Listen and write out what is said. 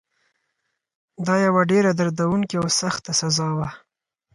دا یوه ډېره دردونکې او سخته سزا وه.